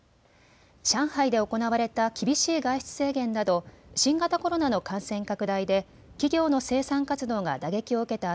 上海で行われた厳しい外出制限など新型コロナの感染拡大で企業の生産活動が打撃を受けた